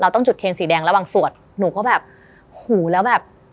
ต้องจุดเทียนสีแดงระหว่างสวดหนูก็แบบหูแล้วแบบ